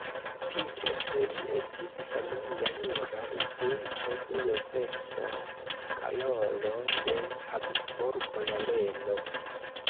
Tiutempe li estis familia jura instruisto de Jozefo Karolo de Habsburgo-Loreno.